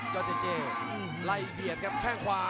เจเจไล่เบียดครับแข้งขวา